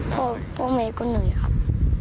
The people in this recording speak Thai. พ่อแม่ก็เหนื่อยครับ